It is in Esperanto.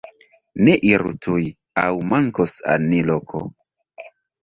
Ni iru tuj, aŭ mankos al ni loko!